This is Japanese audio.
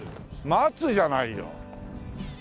松じゃないよ。